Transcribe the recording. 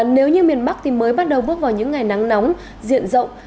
nếu như miền bắc thì mới bắt đầu bước vào những ngày nắng nóng diện rộng